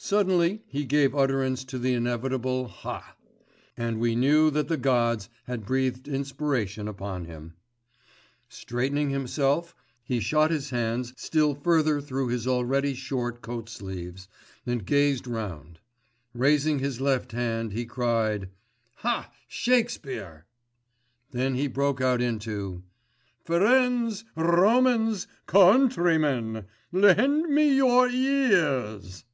Suddenly he gave utterance to the inevitable "Haaa!" and we knew that the gods had breathed inspiration upon him. Straightening himself, he shot his hands still further through his already short coat sleeves, and gazed round. Raising his left hand he cried— "Haaa! Shakespeare." Then he broke out into "Ferends, Rhomans, Cohuntrymen lehend me your eeeeeeears."